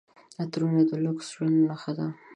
عطرونه د لوکس ژوند نښه ده.